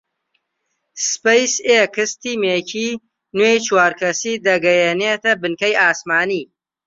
سپەیس ئێکس تیمێکی نوێی چوار کەسی دەگەیەنێتە بنکەی ئاسمانی